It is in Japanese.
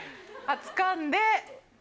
つかんで。